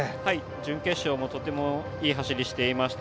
準決勝もとてもいい走りをしていました。